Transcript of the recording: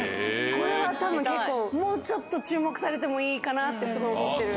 これは多分結構もうちょっと注目されてもいいかなってすごい思ってる。